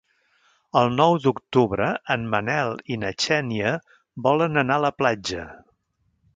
El nou d'octubre en Manel i na Xènia volen anar a la platja.